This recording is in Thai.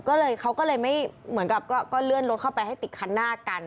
ก็เลยเขาก็เลยไม่เหมือนกับก็เลื่อนรถเข้าไปให้ติดคันหน้ากัน